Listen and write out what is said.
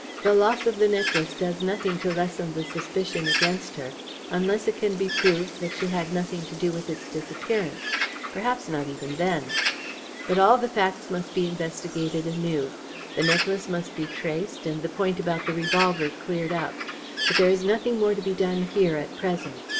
"The loss of the necklace does nothing to lessen the suspicion against her unless it can be proved that she had nothing to do with its disappearance perhaps not even then. But all the facts must be investigated anew. The necklace must be traced, and the point about the revolver cleared up. But there is nothing more to be done here at present.